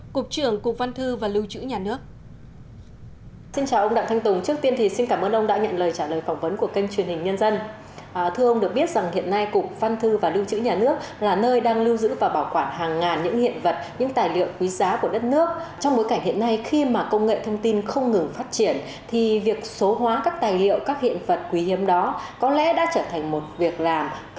cục trưởng cục văn thư và lưu trữ nhà nước